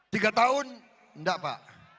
tiga tahun enggak pak